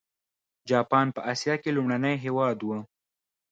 جاپان په اسیا کې لومړنی هېواد و.